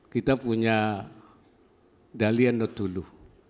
kita punya dalian notulu